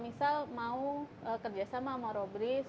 misal mau kerjasama sama robris